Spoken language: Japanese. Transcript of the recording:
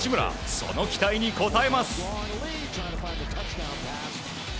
その期待に応えます。